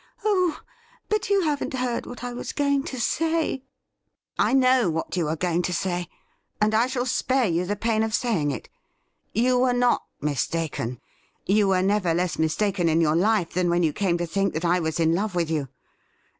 'Oh, but you haven't heard what I was going to say '' I know what you were going to say, and I shall spare you the pain of saying it. You were not mistaken — ^you were never less mistaken in your life than when you came to think that I was in love with you